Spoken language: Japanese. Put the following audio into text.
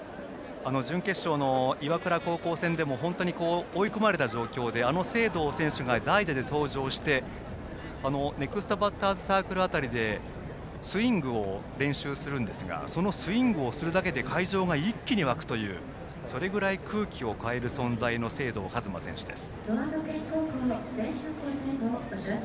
準決勝の岩倉高校戦でも本当に追い込まれた状況であの清藤選手が代打で登場してネクストバッターズサークルでスイングを練習するんですがスイングをするだけで会場が一気に沸くというそれぐらい空気を変える存在の清藤和真選手です。